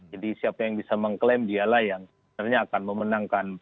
jadi siapa yang bisa mengklaim dialah yang sebenarnya akan memenangkan